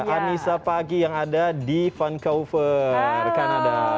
anissa pagi yang ada di vancouver kanada